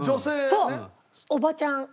そうおばちゃん。